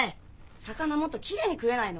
魚もっときれいに食えないの！？